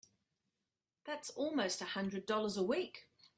That's almost a hundred dollars a week!